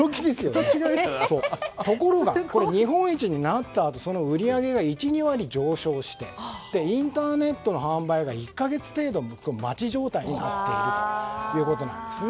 ところが、日本一になったあとその売り上げが１２割上昇してインターネットの販売が１か月程度待ち状態になったと。